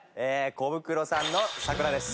コブクロさんの『桜』です。